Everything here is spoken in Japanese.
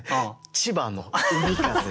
「千葉の海風」。